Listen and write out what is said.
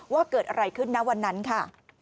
ว่าเกิดอะไรขึ้นนะวันนั้นค่ะ